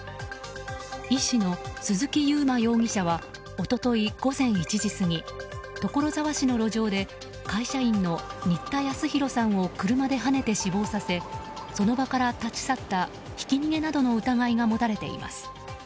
医師の鈴木佑麿容疑者は一昨日午前１時過ぎ所沢市の路上で会社員の新田恭弘さんを車ではねて死亡させその場から立ち去ったひき逃げなどの疑いが持たれています。